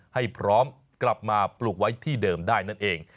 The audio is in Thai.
ให้พร้อมกลับมาปลูกไว้ที่เดิมได้นั่นเอง